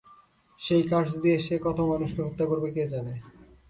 সেই কার্স দিয়ে সে কত মানুষকে হত্যা করবে কে জানে।